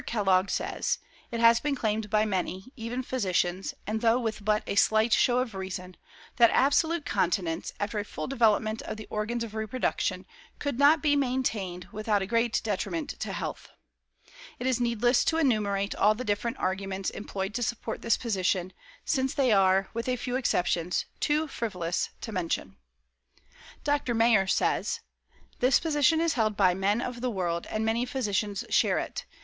Kellogg says: "It has been claimed by many, even physicians, and though with but a slight show of reason, that absolute continence, after a full development of the organs of reproduction, could not be maintained without a great detriment to health. It is needless to enumerate all the different arguments employed to support this position, since they are, with a few exceptions, too frivolous to mention." Dr. Mayer says: "This position is held by men of the world, and many physicians share it.